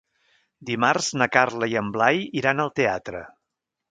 Dimarts na Carla i en Blai iran al teatre.